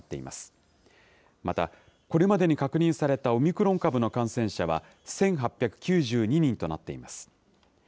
また、これまでに確認されたオミクロン株の感染者は１８９２人となっています。